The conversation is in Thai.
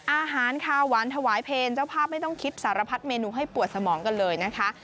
อาหารคาวหวานถวายเพลเจ้าภาพไม่ต้องคิดสารพัดเมนูให้ปวดสมองกันเลยนะคะ